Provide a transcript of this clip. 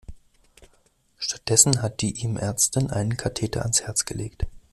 Stattdessen hat die ihm Ärztin einen Katheter ans Herz gelegt.